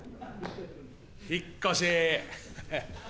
引っ越し。